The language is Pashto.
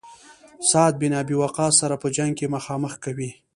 سعد بن ابي وقاص سره په جنګ کې مخامخ کوي.